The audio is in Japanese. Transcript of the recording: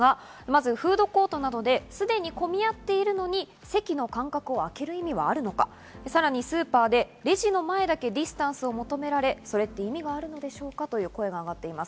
フードコートなどで、すでに混み合っているのに、席の間隔を空ける意味はあるのか、さらにスーパーでレジの前だけディスタンスを求められ、それって意味があるのでしょうか？という声があがっています。